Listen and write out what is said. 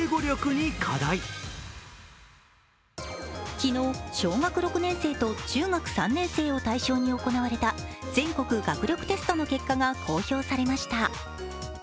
昨日、小学６年生と中学３年生を対象に行われた全国学力テストの結果が公表されました。